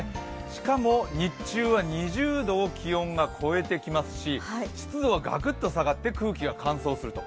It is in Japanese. しかも日中は２０度を気温が超えてきますし湿度はがくっと下がって空気が乾燥すると。